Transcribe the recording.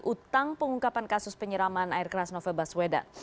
utang pengungkapan kasus penyiraman air keras novel baswedan